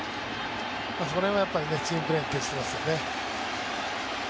そこら辺はチームプレーに徹していますよね。